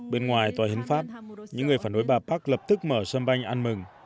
bên ngoài tòa hiến pháp những người phản đối bà park lập tức mở sân banh ăn mừng